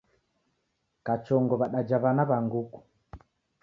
Kachongo w'adaja w'ana wa nguku